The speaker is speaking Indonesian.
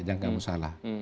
jangan kamu salah